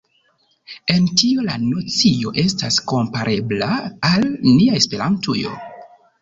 En tio la nocio estas komparebla al nia Esperantujo.